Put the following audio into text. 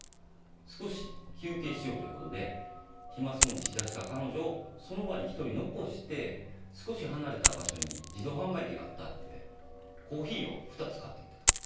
少し休憩しようということで暇そうにしだした彼女をその場に１人残して少し離れた場所に自動販売機があったのでコーヒーを２つ買ってきた。